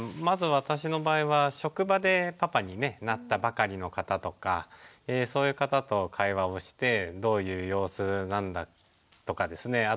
まず私の場合は職場でパパになったばかりの方とかそういう方と会話をしてどういう様子なんだとかですね